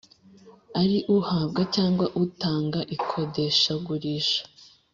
ari uhabwa cyangwa utanga ikodeshagurisha